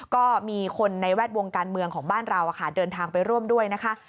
ก็มีคนในแวดวงการเมืองของบ้านเราเดินทางไปร่วมด้วยนะคะ